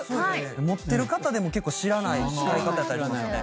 持ってる方でも結構知らない使い方やったりしますよね。